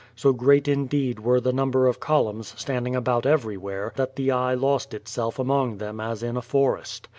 So great indeed were the number of columns standing about everywhere that the eye lost itself among them as in a forest.